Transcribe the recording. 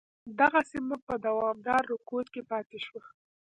دغه سیمه په دوامداره رکود کې پاتې شوه.